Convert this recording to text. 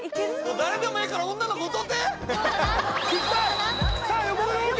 誰でもええから女の子歌うていって！